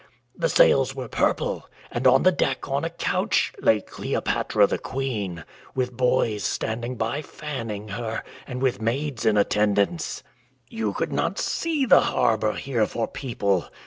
The sails were purple. And on the deck on a couch lay Cleopatra the Queen, with boys standing by fanning her, and with maids in attendance. " You could not see the harbour here for people.